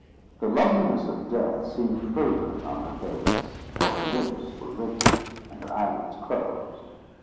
The loveliness of death seemed frozen upon her face, for her lips were rigid, and her eyelids closed.